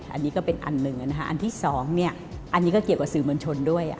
อันนี้ก็เป็นอันหนึ่งอันที่๒อันนี้ก็เกี่ยวกับสื่อมวลชนด้วย